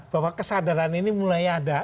bahwa kesadaran ini mulai ada